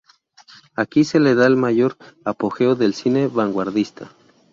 Aquí se da el mayor apogeo del cine vanguardista.